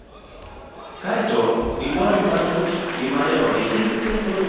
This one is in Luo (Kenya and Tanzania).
Kae to inon matut gima ne ondiki.